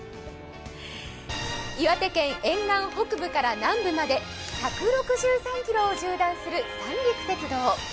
岩手県沿岸北部から南部まで１６３ｋｍを縦断する三陸鉄道。